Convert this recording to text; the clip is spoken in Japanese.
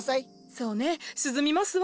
そうね涼みますわ。